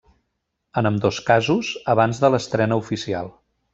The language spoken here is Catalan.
En ambdós casos, abans de l'estrena oficial.